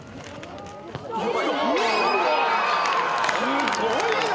すごいな！